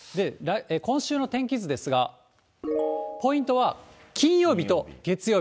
今週の天気図ですが、ポイントは金曜日と月曜日。